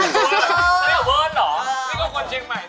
พัตตาเวิร์ดเหรอนี่ก็คนเชียงใหม่